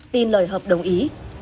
tin lời hợp đồng ý